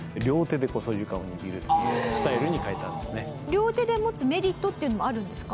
両手で持つメリットっていうのもあるんですか？